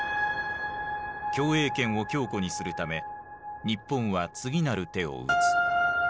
共栄圏を強固にするため日本は次なる手を打つ。